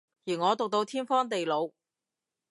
而我毒到天荒地老